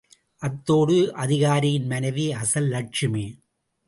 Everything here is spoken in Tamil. அதோடு, அதிகாரியின் மனைவி அசல் லட்சுமி.